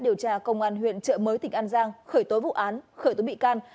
điều tra công an huyện trợ mới tỉnh an giang khởi tối vụ án khởi tối bị can